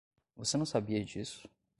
Você não sabia disso?